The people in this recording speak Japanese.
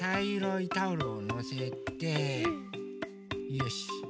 よし。